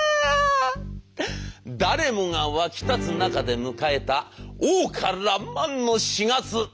誰もが沸き立つ中で迎えた桜花爛漫の４月。